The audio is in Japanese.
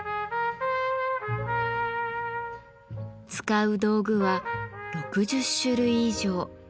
使う道具は６０種類以上。